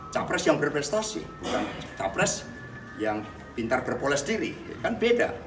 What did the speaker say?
capres yang berprestasi bukan capres yang pintar berpoles diri kan beda